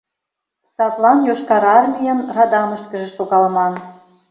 Садлан Йошкар Армийын радамышкыже шогалман.